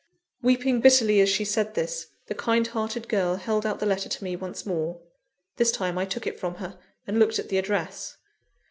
Weeping bitterly as she said this, the kind hearted girl held out the letter to me once more. This time I took it from her, and looked at the address.